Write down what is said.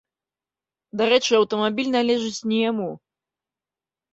Дарэчы, аўтамабіль належыць не яму.